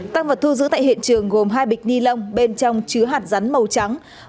tăng vật thu giữ tại hiện trường gồm hai bịch ni lông bên trong chứa hạt rắn màu trắng